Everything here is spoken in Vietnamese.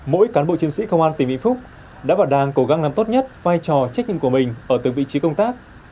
mỗi cán bộ chiến sĩ công an tỉnh vĩnh phúc đã và đang cố gắng làm tốt nhất vai trò trách nhiệm của mình ở từng vị trí công tác